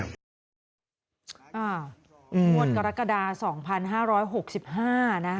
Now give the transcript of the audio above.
อ้าวงวลกรกฎา๒๕๖๕นะครับ